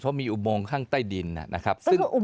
เพราะมีอุโมงข้างใต้ดินนะครับ